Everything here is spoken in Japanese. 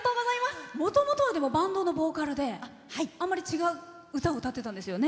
もともとはバンドのボーカルで違う歌を歌ってたんですよね。